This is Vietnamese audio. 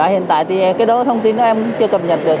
hình tại thì cái đó thông tin đó em chưa cập nhật được